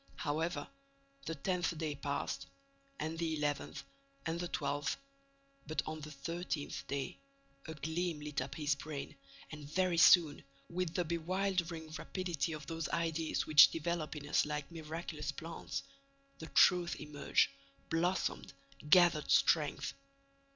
However the tenth day passed and the eleventh and the twelfth; but, on the thirteenth day, a gleam lit up his brain and, very soon, with the bewildering rapidity of those ideas which develop in us like miraculous plants, the truth emerged, blossomed, gathered strength.